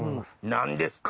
何ですか？